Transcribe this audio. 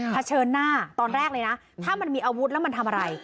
เฉินหน้าตอนแรกเลยนะถ้ามันมีอาวุธแล้วมันทำอะไร